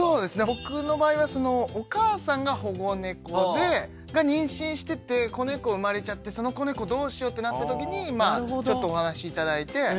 僕の場合はお母さんが保護猫で妊娠してて子猫生まれちゃってその子猫どうしようってなったときにちょっとお話頂いて。